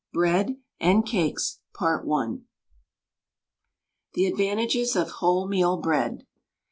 BREAD AND CAKES THE ADVANTAGES OF WHOLEMEAL BREAD.